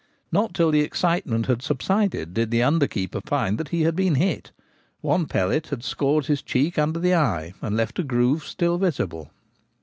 Not till the excitement had subsided did the under keeper find that he had been hit ; one pellet had scored his cheek under the eye, and left a groove still visible.